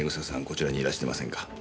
こちらにいらしてませんか？